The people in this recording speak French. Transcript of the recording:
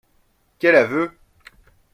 Quel aveu